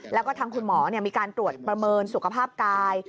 แล้วก็ทางคุณหมอมีการตรวจประเมินสุขภาพกาย